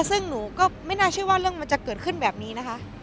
ซึ่งหนูก็ไม่น่าเชื่อว่าเรื่องมันจะเกิดขึ้นแบบนี้นะคะ